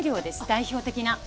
代表的な。